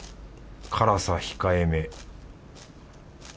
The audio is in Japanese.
辛さ控えめ。